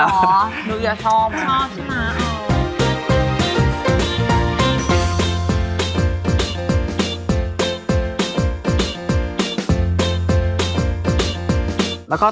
รูกยาชอบ